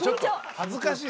恥ずかしい。